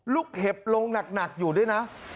เห็บลงหนักอยู่ด้วยนะ